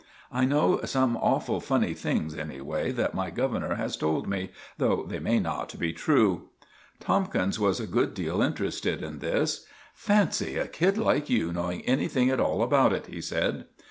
I know some awful funny things, anyway, that my governor has told me, though they may not be true." Tomkins was a good deal interested in this. "Fancy a kid like you knowing anything at all about it!" he said.